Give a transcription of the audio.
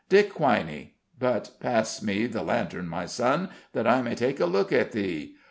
Dick Quiney But pass me the lantern, my son, that I may take a look at thee.